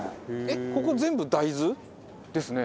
えっここ全部大豆？ですね